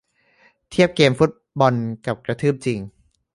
เทียบ เกมฟุตบอล กับ กระทืบจริง